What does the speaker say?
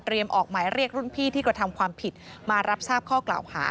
ออกหมายเรียกรุ่นพี่ที่กระทำความผิดมารับทราบข้อกล่าวหา